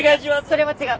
それは違う。